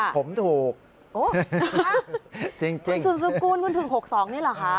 ผมถูกจริงคุณสุดสุดกูลคุณถึงหกสองนี่หรอคะ